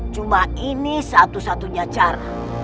cuma ini satu satunya cara